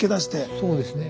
そうですね。